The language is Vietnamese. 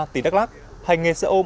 tỉnh đắk lắc hành nghề xe ôm